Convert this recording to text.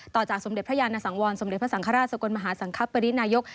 ต่อจากสมเด็จพระยานสังวรสมเด็จพระสังฆราชสกลมหาสังคปรินายก